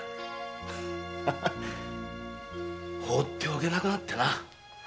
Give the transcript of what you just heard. ほうっておけなくなってな。